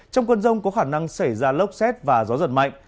trong cơn rông có khả năng xảy ra lốc xét và gió giật mạnh